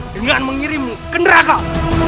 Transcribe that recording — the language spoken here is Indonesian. dengan mengirimi kendaraan kau